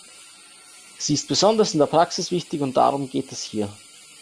Sie ist besonders in der Praxis wichtig, und darum geht es hier.